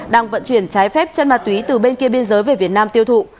đang vận chuyển trái phép chân ma túy từ bên kia biên giới về việt nam tiêu thụ